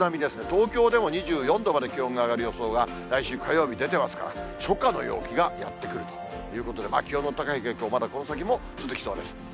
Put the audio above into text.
東京でも２４度まで気温が上がる予想が、来週火曜日、出てますから、初夏の陽気がやって来るということで、気温の高い傾向、この先も続きそうです。